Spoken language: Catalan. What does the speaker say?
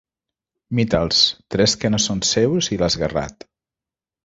Mi-te'ls, tres que no són seus i l'esguerrat.